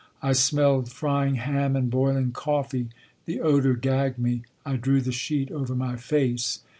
I smelled frying ham and boiling coffee. The odor gagged me. I drew the sheet over my face.